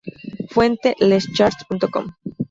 Fuente: LesCharts.com